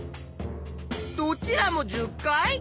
どちらも１０回？